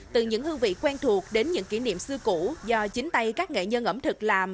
từ những hương vị quen thuộc đến những kỷ niệm xưa cũ do chính tay các nghệ nhân ẩm thực làm